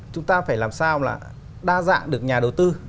chúng ta phải làm sao là đa dạng được nhà đầu tư